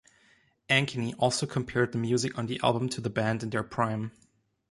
Ankeny also compared the music on the album to The Band in their prime.